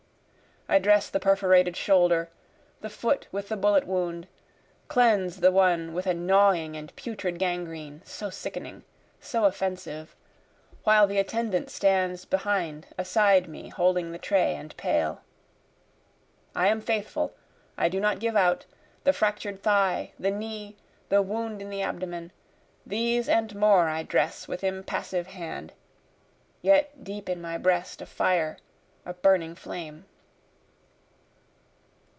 I dress the perforated shoulder, the foot with the bullet wound, Cleanse the one with a gnawing and putrid gangrene, so sickening, so offensive, While the attendant stands behind aside me holding the tray and pail. I am faithful, I do not give out, The fractur'd thigh, the knee, the wound in the abdomen, These and more I dress with impassive hand, (yet deep in my breast a fire, a burning flame.)